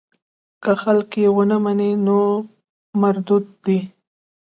که خلک یې ونه مني نو مردود دی.